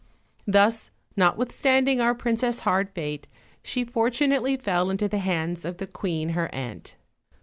Thus, not withstanding our princess' hard fate, she fortunately fell into the hands of the queen her aunt.